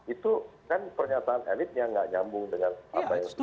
itu kan pernyataan elitnya gak nyambung dengan apa yang sudah terjadi di masyarakat